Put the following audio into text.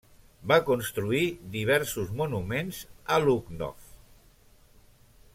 Va construir diversos monuments a Lucknow.